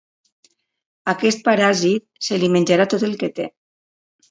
Aquest paràsit se li menjarà tot el que té.